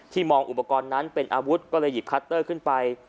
มองอุปกรณ์นั้นเป็นอาวุธก็เลยหยิบคัตเตอร์ขึ้นไป